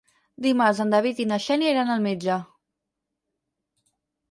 Dimarts en David i na Xènia iran al metge.